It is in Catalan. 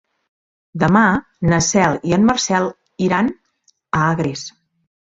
Demà na Cel i en Marcel iran a Agres.